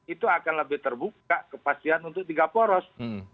itu akan lebih terbuka kepastian untuk tiga poros